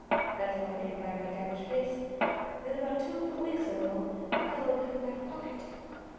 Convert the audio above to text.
That's how I came by my damaged face. Then about two weeks ago a fellow picked my pocket.